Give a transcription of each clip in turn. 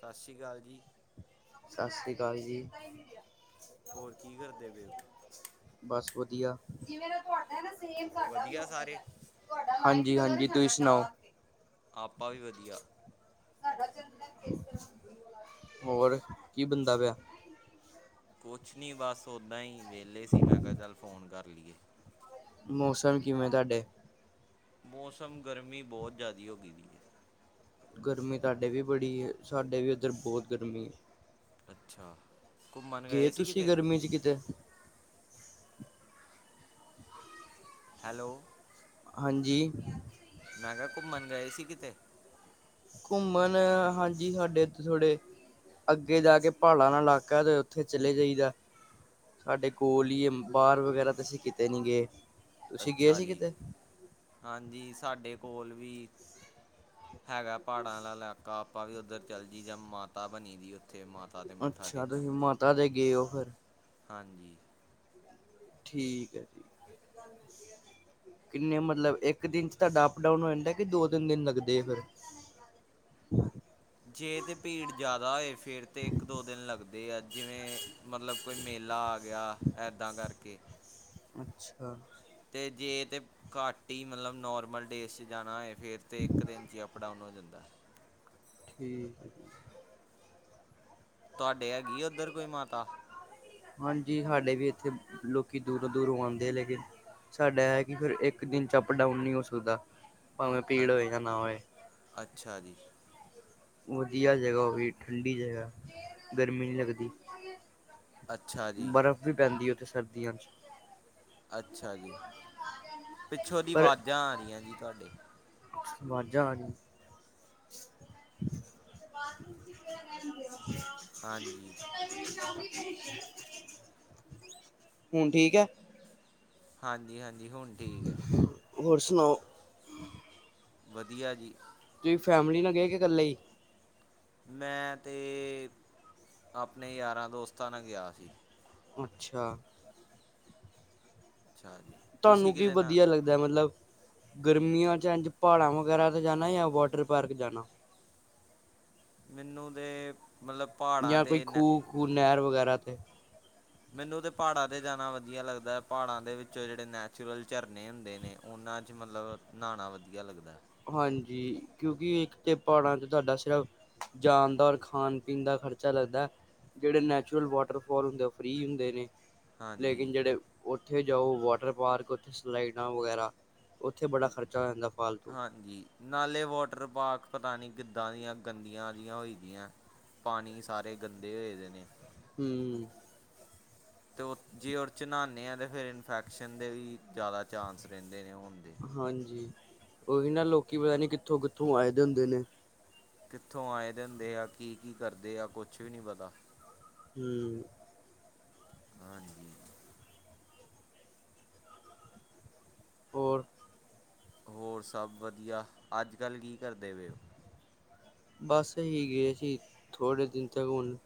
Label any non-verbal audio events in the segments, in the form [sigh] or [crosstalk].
ਸਤ ਸ੍ਰੀ ਅਕਾਲ ਜੀ। ਸਤ ਸ੍ਰੀ ਅਕਾਲ ਜੀ। ਹੋਰ ਕੀ ਕਰਦੇ ਪਏ ੳ? ਬਸ ਵਧੀਆਂ। ਵਧੀਆ ਸਾਰੇ ਹਾਂਜੀ ਹਾਂਜੀ, ਤੁਸੀਂ ਸੁਨਾਓ? ਆਪਾ ਵੀ ਵਧੀਆ। ਹੋਰ ਕੀ ਬਨਦਾ ਪਿਆ? ਕੁਛ ਨੀ ਬੱਸ ਓਦਾਂ ਈ ਵੇਲੇ ਸੀ ਮੈਂ ਕਿਆ ਚੱਲ ਫ਼ੋਨ ਕਰ ਲਈ ਏ। ਮੌਸਮ ਕਿਵੇਂ ਤਾਡੇ? ਮੌਸਮ ਗਰਮੀ ਬਹੋਤ ਜੈਦੀ ਹੋ ਗੀ ਦੀ ਏ। ਗਰਮੀ ਤਾਡੇ ਵੀ ਬੜੀ ਏ, ਸਾਡੇ ਵੀ ਔਧਰ ਬਹੋਤ ਗਰਮੀ ਏ। ਅੱਛਾ ਘੁੰਮਨ ਗਏ ਸੀ ਤੁਸੀਂ ਕਿਤੇ ਗਰਮੀ ਚ [unintelligible] ਕਿਤੇ [unintelligible] ਹੈਲੋ ਹਾਂਜੀ। ਮੈਂ ਕਿਹਾ ਘੁੰਮਨ ਗਏ ਸੀ ਕਿਤੇ ਘੁੰਮਨ ਹਾਂਜੀ ਸਾਡੇ ਇਥੇ ਥੋੜੇ ਅੱਗੇ ਜਾ ਕੇ ਪਹਾੜਾਂ ਵਾਲਾ ਇਲਾਕਾ ਤੇ ਉੱਥੇ ਚਲੇ ਜਾਈਦਾ ਸਾਡੇ ਕੋਲ ਈ ਏ ਬਾਹਰ ਵਗੈਰਾ ਤਾਂ ਅਸੀਂ ਕਿਤੇ ਨੀ ਗਏ ਤੁਸੀਂ ਗਏ ਅੱਛਾ ਸੀ ਜੀ ਕਿਤੇ ਹਾਂਜੀ ਸਾਡੇ ਕੋਲ ਵੀ ਹੈਗਾ ਪਹਾੜਾਂ ਆਲਾ ਇਲਾਕਾ ਆਪਾਂ ਵੀ ਉੱਧਰ ਚੱਲੇ ਜਾਈ ਦਾ ਮਾਤਾ ਬਣੀ ਦੀ ਉੱਥੇ ਮਾਤਾ ਦੇ ਮੱਥਾ ਅੱਛਾ ਟੇਕਣ ਤੁਸੀਂ ਮਾਤਾ ਦੇ ਗਏ ਹੋ ਫੇਰ ਹਾਂਜੀ ਠੀਕ ਹੈ ਜੀ ਕਿੰਨੇ ਮਤਲੱਬ ਇੱਕ ਦਿਨ ਚ ਤੁਹਾਡਾ ਅਪ ਡਾਊਨ ਹੋ ਜਾਂਦਾ ਕਿ ਦੋ ਤਿੰਨ ਦਿਨ ਲੱਗਦੇ ਆ ਫੇਰ ਜੇ ਤੇ ਭੀੜ ਜ਼ਿਆਦਾ ਹੋਏ ਫੇਰ ਤੇ ਇੱਕ ਦੋ ਦਿਨ ਲੱਗਦੇ ਤੇ ਜਿਵੇਂ ਮਤਲਬ ਕੋਈ ਮੇਲਾ ਆ ਗਿਆ ਏਦਾਂ ਕਰਕੇ ਅੱਛਾ ਤੇ ਜੇ ਤੇ ਘੱਟ ਈ ਮਤਲੱਬ ਨੋਰਮਲ ਡੇਜ਼ 'ਚ ਜਾਨਾ ਹੈਏ ਫਿਰ ਤੇ ਇੱਕ ਦਿਨ ਚ ਹੀ ਅਪ ਡਾਊਨ ਹੋ ਜਾਂਦਾ। ਠੀਕ, ਹੈ। ਤੁਹਾਡੇ ਹੈਗੀ ਆ ਉੱਧਰ ਕੋਈ ਮਾਤਾ, ਹਾਂਜੀ, ਸਾਡੇ ਵੀ ਇੱਥੇ ਲੋਕੀ ਦੂਰੋਂ ਦੂਰੋਂ ਆਉਂਦੇ ਆ ਲੇਕਿਨ, ਸਾਡਾ ਇਹ ਕਿ ਫਿਰ ਇੱਕ ਦਿਨ ਚ ਅਪ ਡਾਊਨ ਨਹੀਂ ਹੋ ਸਕਦਾ, ਭਾਵੇਂ ਭੀੜ ਅੱਛ- ਹੋਏ ਜਾਂ ਨਾ ਹੋਏ, ਅੱਛਾ ਜੀ। ਵਧੀਆ ਜਗ੍ਹਾ ਉਹ ਵੀ ਠੰਡੀ ਜਗ੍ਹਾ, ਗਰਮੀਂ ਨਹੀਂ ਲੱਗਦੀ। ਅੱਛਾ ਜੀ। ਬਰਫ਼ ਪੈਂਦੀਆ ਉੱਥੇ ਸਰਦੀਆਂ ਚ। ਅੱਛਾ ਜੀ, ਪਿੱਛੋਂ ਦੀ ਆਵਾਜ਼ਾਂ ਆ ਰਹੀਆ ਜੀ ਤੁਹਾਡੇ, ਅਵਾਜਾਂ ਰਹੀਆਂ, ਹਾਂਜੀ। ਹੁਣ ਠੀਕ ਹੈ? ਹਾਂਜੀ-ਹਾਂਜੀ, ਹੁਣ ਠੀਕ ਹੈ। ਹੋਰ ਸੁਣਾਓ। ਵਧੀਆ ਜੀ। ਤੁਸੀਂ ਫੈਮਿਲੀ ਨਾਲ ਗਏ ਕੇ ਇਕੱਲੇ ਹੀ? ਮੈਂ ਤੇ, ਆਪਣੇ ਯਾਰਾਂ ਦੋਸਤਾਂ ਨਾਲ ਗਿਆ ਸੀ। ਅੱਛਾ, ਅੱਛਾ ਜੀ। ਤੁਹਾਨੂੰ ਤੁਸੀਂ ਕੀ ਕਿਹਦੇ ਨਾਲ ਵਧੀਆ ਲੱਗਦਾ ਮਤਲੱਬ, ਗਰਮੀਆਂ ਚ ਇਝ ਪਹਾੜਾਂ ਵਗੈਰਾਤੇ ਜਾਣਾ ਜਾਂ ਵਾਟਰ ਪਾਰਕ ਜਾਣਾ, ਮੈਨੂੰ ਤੇ ਮਤਲੱਬ ਜਾਂ ਕੋਈ ਖੂਹ ਖੂਹ ਨਹਿਰ ਵਗੈਰਾ ਤੇੇ, ਮੈਨੂੰ ਤਾਂ ਪਹਾੜਾਂ ਤੇ ਜਾਣਾ ਵਧੀਆ ਲੱਗਦਾ ਹੈ ਪਹਾੜਾਂ ਦੇ ਵਿੱਚੋ ਜਿਹੜੇ ਨੈਚੁਰਲ ਝਰਨੇ ਹੁੰਦੇ ਨੇ। ਉਹਨਾਂ ਚ ਮਤਲੱਬ ਨਹਾਉਣਾ ਵਧੀਆ ਲੱਗਦਾ। ਹਾਂਜੀ, ਕਿਉਂਕਿ ਇੱਕ ਤੇ ਪਹਾੜਾਂ ਚ ਤੁਹਾਡਾ ਸਿਰਫ਼ ਜਾਣ ਦਾ ਔਰ ਖਾਣ ਪੀਣ ਦਾ ਖ਼ਰਚਾ ਲੱਗਦਾ। ਜਿਹੜੇ ਨੈਚੁਰਲ ਵਾਟਰਫਾਲ ਹੁੰਦੇ ਫਰੀ ਹੁੰਦੇ ਨੇ। ਹਾਂਜੀ ਲੇਕਿਣ ਜਿਹੜੇ ਉੱਥੇ ਜਾਓ ਵਾਟਰ ਪਾਰਕ ਉੱਥੇ ਸਲਾਈਡਾਂ ਵਗੈਰਾ, ਉੱਥੇ ਬੜਾ ਖ਼ਰਚਾ ਆ ਜਾਂਦਾ ਫਾਲਤੂ, ਹਾਂਜੀ ਨਾਲੇ ਵਾਟਰ ਪਾਰਕ ਪਤਾ ਨਹੀਂ ਕਿੱਦਾਂ ਦੀਆ ਗੰਦੀਆ ਜੀਆ ਹੋ ਦੀਆਂ। ਪਾਣੀ ਸਾਰੇ ਗੰਦੇ ਹੋਏ ਦੇ ਨੇ, ਹੂੰ। ਅਤੇ ਉਹ ਜੇ ਉਹ ਚਾਹੁੰਦੇ ਹਾਂ ਤਾਂ ਫਿਰ ਇਨਫੈਕਸ਼ਨ ਦੇ ਵੀ ਜ਼ਿਆਦਾ ਚਾਂਸ ਰਹਿੰਦੇ ਨੇ ਹੋਣ ਦੇ। ਹਾਂਜੀ, ਉਹੀ ਨਾ ਲੋਕੀ ਪਤਾ ਨੀ ਕਿੱਥੋਂ ਕਿੱਥੋਂ ਆਏ ਦੇ ਹੁੰਦੇ ਨੇ। ਕਿੱਥੋਂ ਆਏ ਦੇ ਹੁੰਦੇ ਆ ਕੀ ਕੀ ਕਰਦੇ ਆ ਕੁਛ ਵੀ ਨਹੀਂ ਪਤਾ। ਹੂੰ। ਹਾਂਜੀ। ਹੋਰ, ਹੋਰ ਸਭ ਵਧੀਆ ਅੱਜ ਕੱਲ੍ਹ ਕੀ ਕਰਦੇ ਪੲਿਓ। ਬੱਸ ਹੀ ਗਏ ਸੀ ਥੋੜੇ ਦਿਨ ਤੱਕ ਹੁਣ,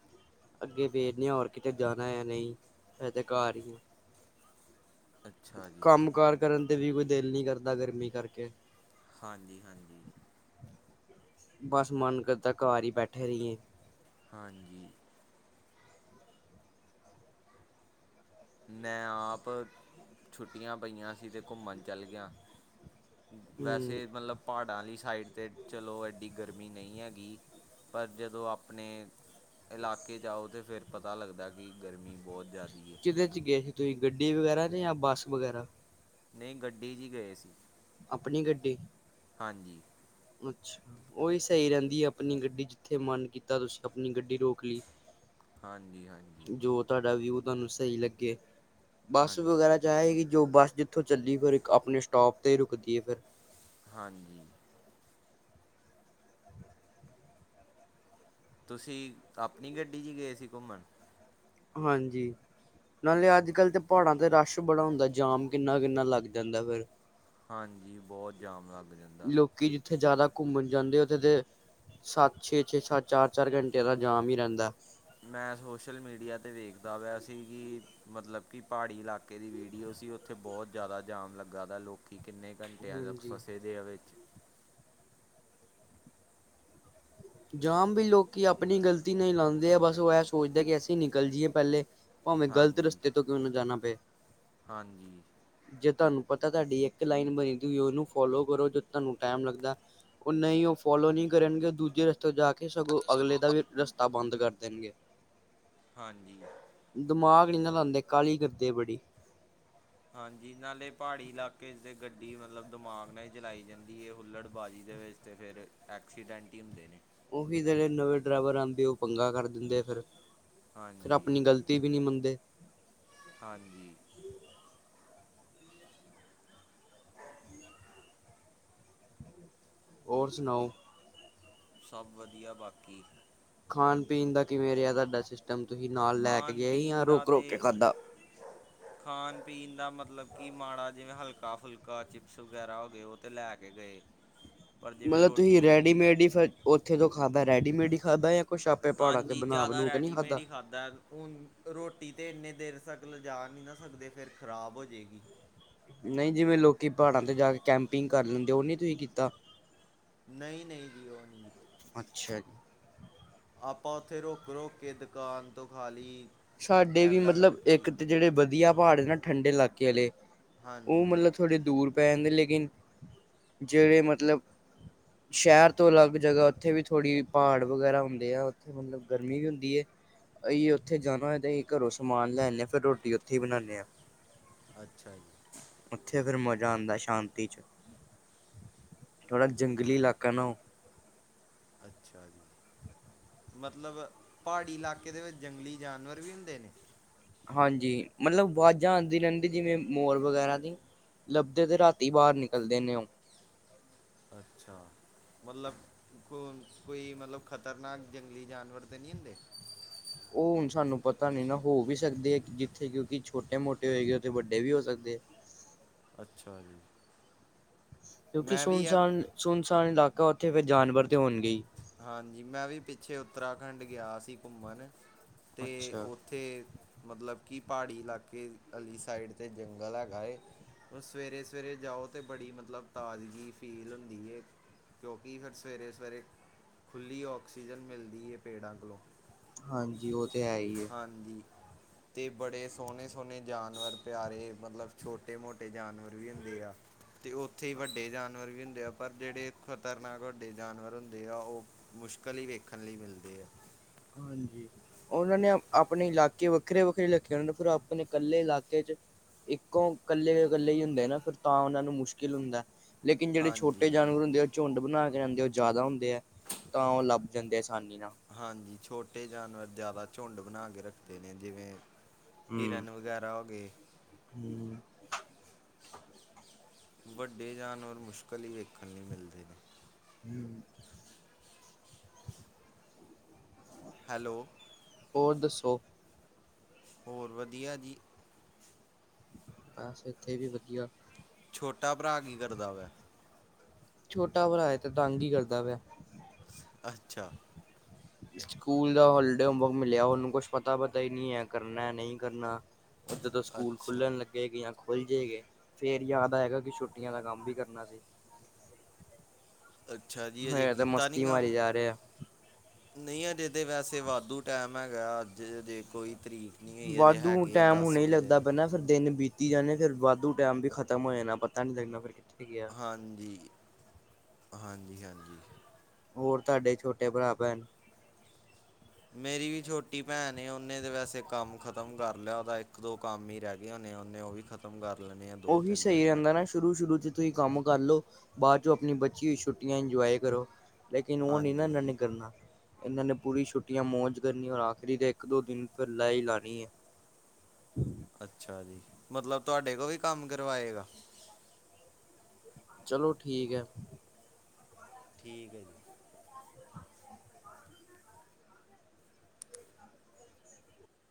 ਅੱਗੇ ਵੇਖਦੇ ਹਾਂ ਹੋਰ ਕਿਤੇ ਜਾਣਾ ਹੈ ਨਹੀਂ ਫੇਰ ਤਾਂ ਘਰ, ਅੱਛਾ ਜੀ। ਕੰਮ ਕਾਰ ਕਰਨ ਤੇ ਵੀ ਕੋਈ ਦਿਲ ਨੀ ਕਰਦਾ ਗਰਮੀ ਕਰਕੇ। ਹਾਂਜੀ-ਹਾਂਜੀ। ਬਸ ਮਨ ਕਰਦਾ ਘਰ ਹੀ ਬੈਠੇ ਰਹੀਏ। ਹਾਂਜੀ। ਮੈਂ ਆਪ ਛੁੱਟੀਆਂ ਪਈਆ ਸੀ ਅਤੇ ਘੁੰਮਣ ਚੱਲ ਗਿਆ। ਵੈਸੇ ਹੂੰ। ਮਤਲਬ, ਪਹਾੜਾਂ ਵਾਲੀ ਸਾਈਡ ਤੇ ਚਲੋ ਐਡੀ ਗਰਮੀ ਨਹੀਂ ਹੈਗੀ ਪਰ ਜਦੋਂ ਆਪਣੇ, ਇਲਾਕੇ ਜਾਓ ਤੇ ਫਿਰ ਪਤਾ ਲੱਗਦਾ, ਕਿ ਗਰਮੀ ਬਹੁਤ ਜ਼ਾਦੀ ਏ। ਕਿਹਦੇ ਚ ਗਏ ਤੁਸੀਂ, ਗੱਡੀ ਵਗੈਰਾ ਤੇ ਜਾਂ ਬੱਸ ਵਗੈਰਾ। ਨਹੀਂ ਗੱਡੀ ਚੀ ਗਏ ਸੀ। ਆਪਣੀ ਗੱਡੀ ਹਾਂਜੀ, ਅੱਛਾ ਉਹੀ ਸਹੀ ਰਹਿੰਦੀ ਐ ਆਪਣੀ ਗੱਡੀ, ਜਿੱਥੇ ਮਨ ਕੀਤਾ ਤੁਸੀਂ ਆਪਣੀ ਗੱਡੀ ਰੋਕ ਲੀ, ਹਾਂਜੀ ਹਾਂਜੀ ਜੋ ਤੁਹਾਡਾ ਵਿਊ ਤੁਹਾਨੂੰ ਸਹੀ ਲੱਗੇ। ਬੱਸ ਹਾਂਜੀ। ਵਗੈਰਾ ਚ ਆਹ ਹੈਗੀ, ਜੋ ਬੱਸ ਜਿੱਥੋਂ ਚੱਲੀ ਫਿਰ ਇੱਕ ਆਪਣੇ ਸਟੋਪ ਤੇ ਹੀ ਰੁਕਦੀਏ ਫਿਰ। ਹਾਂਜੀ, ਤੁਸੀਂ ਆਪਣੀ ਗੱਡੀ ਚ ਗਏ ਸੀ ਘੁੰਮਣ। ਹਾਂਜੀ, ਨਾਲੇ ਅੱਜ-ਕੱਲ੍ਹ ਤੇ ਪਹਾੜਾਂ ਤੇ ਰਸ਼ ਬੜਾ ਹੁੰਦਾ, ਜਾਮ ਕਿੰਨਾ- ਕਿੰਨਾ ਲੱਗ ਜਾਂਦਾ ਫਿਰ। ਹਾਂਜੀ, ਬਹੁ ਜਾਮ ਲੱਗ ਜਾਂਦਾ। ਉੱਥੇ ਜ਼ਿਆਦਾ ਘੁੰਮਣ ਜਾਂਦੇ, ਉੱਥੇ ਤੇ ਸੱਤ ਛੇ- ਛੇ, ਸੱਤ ਚਾਰ- ਚਾਰ ਘੰਟੇ ਦਾ ਜਾਮ ਹੀ ਰਹਿੰਦਾ। ਮੈਂ ਸੋਸ਼ਲ ਮੀਡੀਆ ਤੇ ਵੇਖਦਾ ਪਿਆ ਸੀ, ਕੀ ਮਤਲਬ ਕਿ ਪਹਾੜੀ ਇਲਾਕੇ ਦੀ ਵੀਡੀਓ ਸੀ, ਉੱਥੇ ਬਹੁ ਜਿਆਦਾ ਜਾਮ ਲੱਗਾ ਗਾ, ਲੋਕੀ ਕਿੰਨੇ ਘੰਟੇ ਤੇ ਇਹ ਲੋਕ ਹਾਂਜੀ ਫਸੇ ਦੇ ਆ ਵਿੱਚ। ਜਾਮ ਵੀ ਲੋਕੀ ਆਪਣੀ ਗ਼ਲਤੀ ਨਾਲ ਈ ਲਾਉਂਦੇ ਆ ਬਸ, ਉਹ ਇਹ ਸੋਚਦੇ ਕਿ ਅਸੀਂ ਨਿਕਲ ਜੀਏ ਪਹਿਲੇ। ਭਾਵੇਂ ਗ਼ਲਤ ਹਾਂਜੀ ਰਸਤੇ ਤੋਂ ਕਿਉਂ ਨਾ ਜਾਣਾ ਪਏ। ਹਾਂਜੀ, ਜੇ ਤੁਹਾਨੂੰ ਪਤਾ ਤੁਹਾਡੀ ਇੱਕ ਲਾਈਨ ਮਿਲਦੀ ਐ, ਉਹਨੂੰ ਫੋਲੋ ਕਰੋ, ਜਦੋਂ ਤੁਹਾਨੂੰ ਟੈਮ ਲੱਗਦਾ। ਉਹਨਾਂ ਹੀ ਉਹ ਫੋਲੋ ਨਹੀਂ ਕਰਨਗੇ, ਦੂਜੇ ਤੋਂ ਜਾ ਕੇ ਸਗੋਂ, ਅਗਲੇ ਦਾ ਵੀ ਰਸਤਾ ਬੰਦ ਕਰ ਦੇਣਗੇ। ਹਾਂਜੀ, ਦਿਮਾਗ ਨਹੀਂ ਨਾ ਲਾਂਦੇ, ਕਾਹਲੀ ਕਰਦੇ ਐ ਬੜੀ। ਹਾਂਜੀ, ਨਾਲੇ ਪਹਾੜੀ ਇਲਾਕੇ ਦੇ ਗੱਡੀ ਮਤਲਬ ਦਮਾਗ ਨਾਲ ਹੀ ਚਲਾਈ ਜਾਂਦੀ ਐ, ਹੁੱਲੜਬਾਜ਼ੀ ਦੇ ਵਿੱਚ ਤੇ ਫਿਰ ਐਕਸੀਡੈਂਟ ਹੀ ਹੁੰਦੇ ਨੇ। ਉਹੀ ਜਿਹੜੇ ਨਵੇਂ ਡਰਾਈਵਰ ਆਂਦੇ ਐ, ਉਹ ਪੰਗਾ ਕਰ ਦਿੰਦੇ ਐ ਫਿਰ, ਫਿਰ ਹਾਂਜੀ ਆਪਣੀ ਗਲ ਤੀ ਵੀ ਨਹੀਂ ਮੰਨਦੇ। ਹਾਂਜੀ, ਹੋਰ ਸੁਣਾਓ ਸਭ ਵਧੀਆ, ਬਾਕੀ ਖਾਣ-ਪੀਣ ਦਾ ਕਿਵੇਂ ਰਿਹਾ ਤੁਹਾਡਾ ਸਿਸਟਮ, ਤੁਸੀਂ ਨਾਲ ਲੈ ਕੇ ਗਏ ਜਾਂ ਰੁਕ-ਰੁਕ ਕੇ ਖਾਧਾ। [unintelligible] ਖਾਣ-ਪੀਣ ਦਾ ਮਤਲਬ ਕਿ ਮਾੜਾ ਜਿਹਾ ਹਲਕਾ-ਫੁਲਕਾ ਚਿਪਸ ਵਗੈਰਾ ਹੋ ਗਏ, ਉਹ ਤੇ ਲੈ ਕੇ ਗਏ। [unintelligible] ਮਤਲਬ ਤੁਸੀਂ ਰੈਡੀਮੇਡ ਹੀ ਫਿਰ ਉੱਥੇ ਜੋ ਖਾਧਾ ਰੈਡੀਮੇਡ ਹੀ ਖਾਧਾ ਯਾ ਕੁਛ ਆਪੇ ਪਹਾੜਾਂ ਤੇ ਬਣਾ ਬੁਣਾ ਕੇ ਨੀ ਖਾਧਾ। ਦ ਹੁਣ ਰੋਟੀ ਤਾਂ ਇੰਨੇ ਦੇਰ ਤੱਕ ਲਿਜਾ ਨੀ ਨਾ ਸਕਦੇ, ਫਿਰ ਖ਼ਰਾਬ ਹੋ ਜੇਗੀ। ਨਹੀਂ ਜਿਵੇਂ ਲੋਕੀ ਪਹਾੜਾਂ ਤੇ ਜਾ ਕੇ ਕੈਂਪਿੰਗ ਕਰ ਲੈਂਦੇ, ਉਹ ਨਹੀਂ ਤੁਸੀਂ ਕੀਤਾ। ਨਹੀਂ- ਨਹੀਂ ਜੀ, ਉਹ ਨੀ ਕੀਤਾ। ਅੱਛਾ ਜੀ। ਆਪਾਂ ਉੱਥੇ ਰੁਕ-ਰੁਕ ਕੇ ਦੁਕਾਨ ਤੋਂ ਖਾਲੀ। ਸਾਡੇ ਵੀ ਮਤਲਬ ਇੱਕ ਤਾਂ ਜਿਹੜੇ ਵਧੀਆ ਪਹਾੜ ਏ ਨਾ ਠੰਡੇ ਇਲਾਕੇ ਵਾਲੇ, ਉਹ ਹਾਂਜੀ ਮਤਲਬ ਥੋੜ੍ਹੇ ਦੂਰ ਪੈ ਜਾਂਦੇ ਲੇਕਿਨ, ਜਿਹੜੇ ਮਤਲਬ ਸ਼ਹਿਰ ਤੋਂ ਅਲੱਗ ਜਗ੍ਹਾ, ਉੱਥੇ ਵੀ ਥੋੜੀ ਪਹਾੜ ਵਗੈਰਾ ਹੁੰਦੇ ਆ। ਮਤਲਬ ਗਰਮੀ ਵੀ ਹੁੰਦੀ ਏ, ਅਸੀ ਉ ਉੱਥੇ ਜਾਣਾ ਹੋਏ, ਤੇ ਅਸੀ ਘਰੋਂ ਸਮਾਨ ਲੈਨੇ ਹਾਂ, ਫਿਰ ਰੋਟੀ ਉੱਥੇ ਹੀ ਬਣਾਣੇ ਹਾਂ। ਅੱਛਾ ਜੀ। ਉੱਥੇ ਅਗਰ ਮਜ਼ਾ ਆਉਂਦਾ ਸ਼ਾਂਤੀ ਚ ਥੋੜਾ ਜੰਗਲੀ ਅੱਛਾ ਜੀ ਇਲਾਕਾ ਨਾ ਉਹ ਅੱਛਾ ਜੀ। ਮਤਲਬ ਪਹਾੜੀ ਇਲਾਕੇ ਦੇ ਵਿੱਚ ਜੰਗਲੀ ਜਾਨਵਰ ਵੀ ਹੁੰਦੇ ਨੇ? ਹਾਂਜੀ ਮਤਲਬ, ਵਾਜ਼ਾਂ ਆਂਦੀ ਰਹਿੰਦੀ ਜਿਵੇਂ ਮੋਰ ਵਗ਼ੈਰਾ ਨੀ ਲੱਬਦੇ ਤੇ ਰਾਤੀ ਬਾਹਰ ਨਿਕਲਦੇ ਨੇ ਉਹ ਅੱਛਾ, ਮਤਲਬ ਕੋ ਕੋਈ ਮਤਲਬ ਖਤਰਨਾਕ ਜੰਗਲੀ ਜਾਨਵਰ ਤੇ ਨਹੀਂ ਹੁੰਦੇ। ਉਹ ਹੁਣ ਸਾਨੂੰ ਪਤਾ ਨਹੀਂ ਨਾ ਹੋ ਵੀ ਸਕਦੇ ਹੈ, ਜਿੱਥੇ ਕਿਉਂਕਿ ਛੋਟੇ ਮੋਟੇ ਹੋਏਗੇ ਉੱਥੇ ਵੱਡੇ ਵੀ ਹੋ ਸਕਦੇ ਐ। ਅੱਛਾ ਜੀ। ਕਿਉਂਕਿ, ਮੈਂ ਵੀ ਐ ਸੁਣਸਾਨ-ਸੁਣਸਾਨ ਇਲਾਕਾ ਉੱਥੇ ਫੇਰ ਜਾਨਵਰ ਤੇ ਹੋਣਗੇਈ। ਹਾਂਜੀ, ਮੈਂ ਵੀ ਪਿੱਛੇ ਉੱਤਰਾਖੰਡ ਗਿਆ ਸੀ, ਘੁੰਮਣ ਤੇ ਉਥ ਅੱਛਾ ਉੱਥੇ ਮਤਲਬ ਕਿ ਪਹਾੜੀ ਇਲਾਕੇ ਵਾਲੀ ਸਾਈਡ 'ਤੇ ਜੰਗਲ ਹੈਗਾ ਹੈਏ ਹੁ ਸਵੇਰੇ ਸਵੇਰੇ ਜਾਓ, ਤਾਂ ਬੜੀ ਮਤਲਬ ਤਾਜ਼ਗੀ ਫੀਲ ਹੁੰਦੀ ਹੈ ਕਿਉਂਕਿ ਫਿਰ ਸਵੇਰੇ-ਸਵੇਰੇ ਖੁੱਲ੍ਹੀ ਆਕਸੀਜਨ ਮਿਲਦੀ ਏ ਪੇੜਾਂ ਕੋਲੋਂ ਹਾਂਜੀ, ਉਹ ਤੇ ਹੈ ਹੀ ਹਾਂਜੀ ਅਤੇ ਬੜੇ ਸੋਹਣੇ-ਸੋਹਣੇ ਜਾਨਵਰ ਪਿਆਰੇ ਮਤਲਬ, ਛੋਟੇ ਮੋਟੇ ਜਾਨਵਰ ਵੀ ਹੁੰਦੇ ਆ ਤੇ ਉੱਥੇ ਵੱਡੇ ਜਾਨਵਰ ਵੀ ਹੁੰਦੇ ਆ, ਪਰ ਜਿਹੜੇ ਖ਼ਤਰਨਾਕ ਵੱਡੇ ਜਾਨਵਰ ਹੁੰਦੇ ਆ ਉਹ ਮੁਸ਼ਕਿਲ ਹੀ ਵੇਖਣ ਲਈ ਮਿਲਦੇ ਆ ਹਾਜੀ, ਉਹਨਾਂ ਨੇ ਆਪਣੇ ਇਲਾਕੇ ਵੱਖਰੇ-ਵੱਖਰੇ ਰੱਖੇ, ਉਹਨਾਂ ਨੇ ਫੇਰ ਆਪਣੇ ਕੱਲੇ ਇਲਾਕੇ ਚ ਇੱਕੋ ਕੱਲੇ-ਕੱਲੇ ਜੇ ਹੁੰਦੇ ਨਾ, ਫੇਰ ਤਾਂ ਉਹਨਾ ਨੂੰ ਮੁਸ਼ਕਿਲ ਹੁੰਦਾ। ਲੇਕਿਨਿ ਜੇਹੜੇ ਛੋਟੇ ਹਾਂਜੀ ਜਾਨਵਰ ਹੁੰਦੇ ਐ। ਝੁੰਡ ਬਣਾ ਕੇ ਜਾਂਦੇ, ਉਹ ਜਿਆਦਾ ਹੁੰਦੇ ਹੈ ਤਾਂ ਉਹ ਲੱਬ ਜਾਂਦੇ ਆਸਾਨੀ ਨਾ ਹਾਂਜੀ, ਛੋਟੇ ਜਾਨਵਰ ਜਾਦਾ ਚੋਂਡ ਬਣਾ ਕੇ ਰੱਖਦੇ ਨੇ ਜਿਵੇਂ ਹੂੰ। ਹਿਰਨ ਵਗੈਰਾ ਹੋ ਗਏ। ਹੂੰ ਵੱਡੇ ਜਾਨਵਰ ਮੁਸ਼ਕਲ ਇ ਵੇਖਣ ਲਈ ਮਿਲਦੇ ਨੇ, ਹੂੰ, ਹੈਲੋ, ਹੋਰ ਦੱਸੋ? ਹੋਰ ਵਧੀਆ ਜੀ। ਬਸ ਇੱਥੇ ਵੀ ਵਧੀਆ ਛੋਟਾ ਭਰਾ ਕੀ ਕਰਦਾ ਵੈ ਛੋਟਾ ਭਰਾ ਹੈ, ਤੇ ਤੰਗ ਹੀ ਕਰਦਾ ਪਿਆ ਅੱਛਾ ਸਕੂਲ ਦਾ ਹੋਲੀਡੇ ਹੋਮਵਰਕ ਮਿਲਿਆ, ਉਹਨੂੰ ਕੁਛ ਪਤਾ-ਪਤਾ ਹੀ ਨਹੀਂ ਹੈ, ਕਰਨਾ ਨਹੀਂ ਕਰਨਾ ਜਦੋਂ ਸਕੂਲ ਅੱਛਾ ਖੁਲਣ ਲੱਗੇ ਜਾਂ ਖੁੱਲ ਜਾਂਏ ਗੇ ਫੇਰ ਯਾਦ ਆਏਗਾ, ਕਿ ਛੁੱਟੀਆਂ ਦਾ ਕੰਮ ਵੀ ਕਰਨਾ ਸੀ ਅੱਛਾ ਜੀ ਅਜੇ ਹੋਇਆ ਤਾਂ ਕੀਤਾ ਨੀ ਮਸਤੀ ਕੰਮ? ਮਾਰੀ ਜਾ ਰਹੇ ਆ ਨਹੀਂ ਅਜੇ ਤਾਂ ਵੈਸੇ ਵਾਧੂ ਟਾਈਮ ਹੈਗਾ ਅੱਜੇ ਕੋਈ ਤਰੀਕ ਨਹੀਂ ਹੋਈ ਅਜੇ ਵਾਧੂ ਹੈਗੇ, ਆ ਟਾਈਮ ਦਸ ਹੁਣੇ ਹੀ ਵੀਹ ਲੱਗਦਾ ਦਿਨ ਪੈਣਾ ਫਿਰ ਦਿਨ ਬੀਤੀ ਜਾਣੇ ਫ਼ੇਰ ਵਾਧੂ ਟਾਈਮ ਵੀ ਖਤਮ ਹੋ ਜਾਣਾ, ਪਤਾ ਨੀ ਲੱਗਣਾ ਫਿਰ ਕਿੱਥੇ ਗਿਆ ਹਾਂਜੀ-ਹਾਂਜੀ-ਹਾਂਜੀ ਹੋਰ ਤੁਹਾਡੇ ਛੋਟੇ ਭਰਾ ਭੈਣ ਮੇਰੀ ਵੀ ਛੋਟੀ ਭੈਣ ਉਹਨੇ ਤੇ ਵੈਸੇ ਕੰਮ ਖ਼ਤਮ ਕਰ ਲਿਆ ਉਹਦਾ ਇੱਕ ਦੋ ਕੰਮ ਹੀ ਰਹਿ ਨੇ ਉਹਨੇ ਉਹ ਵੀ ਖਤ ਖਤਮ ਕਰ ਲੈਣੇ ਹਾਂ ਉਹ ਵੀ ਸਹੀ ਰਹਿੰਦਾ ਨਾ ਸ਼ੁਰੂ-ਸ਼ੁਰੂ ਚ ਤੁਸੀਂ ਕੰਮ ਕਰ ਲਓ ਬਾਅਦ ਚ ਆਪਣੀ ਬੱਚੀ ਹੋਈ ਛੁੱਟੀਆਂ ਇੰਜੌਏ ਕਰੋ। ਲੇਕਨ ਉਹ ਨਹੀਂ ਨਾ ਹਾਂਜੀ ਇਹਨਾਂ ਨੇ ਕਰਨਾ। ਇਹਨਾਂ ਨੇ ਪੂਰੀ ਛੁੱਟੀਆਂ ਮੌਜ ਕਰਨੀ ਔਰ ਆਖਰੀ ਤੇ ਇੱਕ ਦੋ ਦਿਨ ਫਿਰ ਲੈ ਈ ਲਾਉਣੀ ਹੈ। ਅੱਛਾ ਜੀ, ਮਤਲਬ ਤੁਹਾਡੇ ਕੋਲ ਹੀ ਕੰਮ ਕਰਵਾਏਗਾ। ਚਲੋ ਠੀਕ ਹੈ। ਠੀਕ ਹੈ ਜੀ।